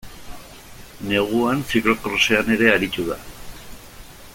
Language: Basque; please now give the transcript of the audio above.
Neguan ziklo-krosean ere aritu da.